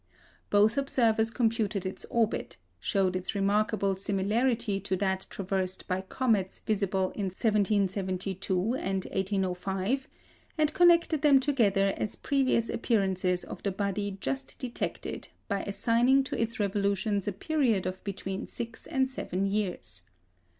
Both observers computed its orbit, showed its remarkable similarity to that traversed by comets visible in 1772 and 1805, and connected them together as previous appearances of the body just detected by assigning to its revolutions a period of between six and seven years.